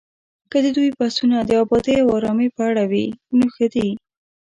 که د دوی بحثونه د ابادۍ او ارامۍ په اړه وي، نو ښه دي